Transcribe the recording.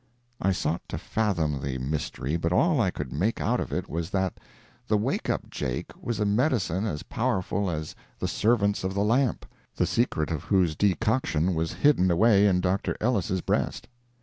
I sought to fathom the mystery, but all I could make out of it was that the "Wake up Jake" was a medicine as powerful as "the servants of the lamp," the secret of whose decoction was hidden away in Dr. Ellis' breast.